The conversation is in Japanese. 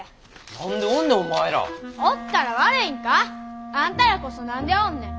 何でおんねんお前ら。おったら悪いんか！？あんたらこそ何でおんねん？